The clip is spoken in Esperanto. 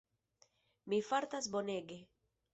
Mi fartas bonege.